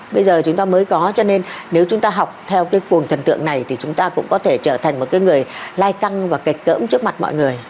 bây giờ chúng ta mới có cho nên nếu chúng ta học theo cái cồn thần tượng này thì chúng ta cũng có thể trở thành một cái người lai căng và kịch cỡm trước mặt mọi người